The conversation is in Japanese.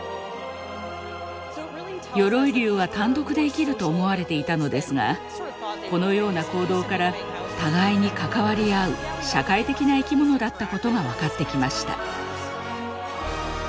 鎧竜は単独で生きると思われていたのですがこのような行動から互いに関わり合う社会的な生き物だったことが分かってきました。